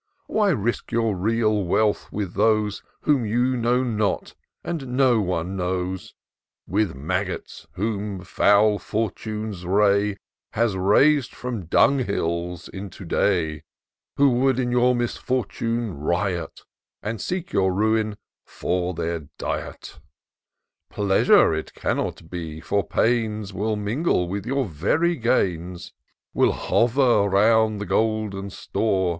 Why risk your real wealth with those Whom you know not, and no one knows ; With maggots, whom foul Fortune's ray Has rais'd from dunghills into day ; Who would in your misfortime riot, And seek your ruin for their diet ? 190 TOUR OF DOCTOR SYNTAX Pleasure it cannot be ; for pains Will mingle with your very gains — Will hover round the golden store.